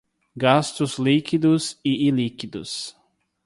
Gastos líquidos e ilíquidos